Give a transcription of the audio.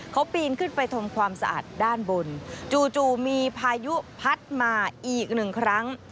เขาปีนขึ้นไปทำความสะอาดด้านบนจู่มีพายุพัดมาอีกหนึ่งครั้ง